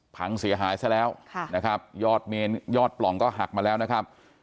พังเสียหายซะแล้วนะครับยอดเมนยอดปล่องก็หักมาแล้วนะครับ